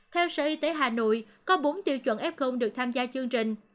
theo sở y tế hà nội có bốn tiêu chuẩn f được tham gia chương trình